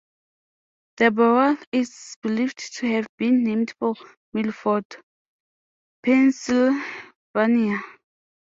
The borough is believed to have been named for Milford, Pennsylvania.